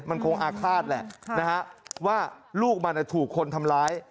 มันคงอาฆาตแหละนะฮะว่าลูกมันถูกคนทำร้าย